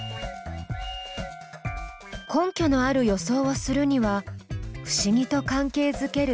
根拠のある予想をするには不思議と関係づける